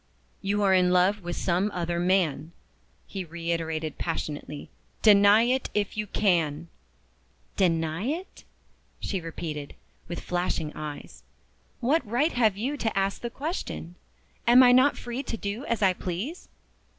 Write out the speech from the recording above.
"You are in love with some other man," he reiterated passionately. "Deny it if you can!" "Deny it?" she repeated, with flashing eyes. "What right have you to ask the question? Am I not free to do as I please?"